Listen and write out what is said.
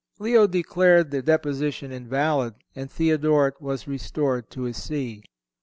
(169) Leo declared the deposition invalid and Theodoret was restored to his See.